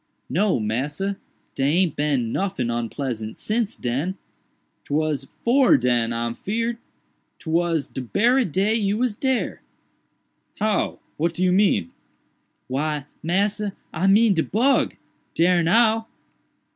"No, massa, dey aint bin noffin onpleasant since den—'twas 'fore den I'm feared—'twas de berry day you was dare." "How? what do you mean?" "Why, massa, I mean de bug—dare now."